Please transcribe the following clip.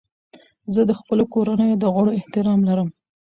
زه د خپلو کورنیو د غړو احترام لرم.